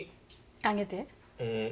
あげて？